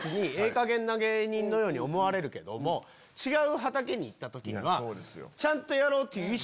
かげんな芸人のように思われるけども違う畑に行った時にはちゃんとやろうという意識は。